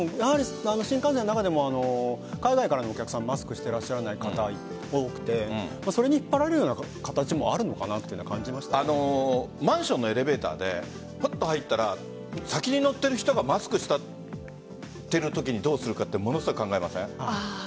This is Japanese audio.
新幹線の中でも海外からのお客さんマスクしてらっしゃらない方多くてそれに引っ張られるような形もマンションのエレベーターで入ったら、先に乗っている人がマスクしているときにどうするかものすごく考えません？